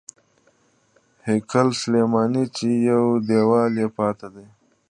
هیکل سلیماني چې یو دیوال یې پاتې دی.